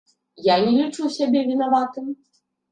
Я не лічу сябе вінаватым.